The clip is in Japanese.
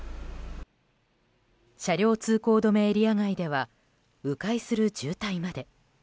車両通行止めエリア外では迂回する渋滞まで。